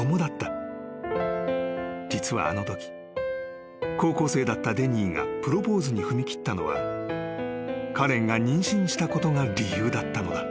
［実はあのとき高校生だったデニーがプロポーズに踏み切ったのはカレンが妊娠したことが理由だったのだ］